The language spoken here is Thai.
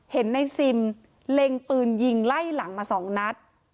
เห็นในซิมเล็งปืนยิงไล่หลังมาสองนัด